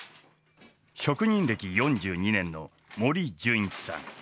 職人歴４２年の森純一さん。